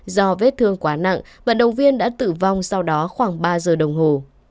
do vết thương quá nặng vận động viên đã tử vong sau đó khoảng ba giờ đồng hồ